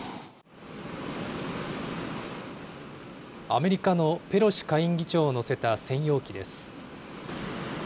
アメリカのペロシ下院議長を乗せた専用機です。